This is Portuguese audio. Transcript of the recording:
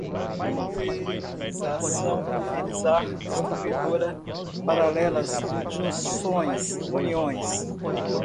pulverização, pulverizar, distribuidora, paralelas, junções, uniões